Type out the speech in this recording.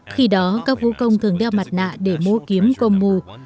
khi đó các vũ công thường đeo mặt nạ để múa kiếm công mù